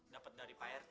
dapet dari pak rt